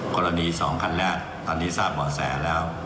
กรณีสองคันแล้วตอนนี้ทราบบ่อแสแล้ว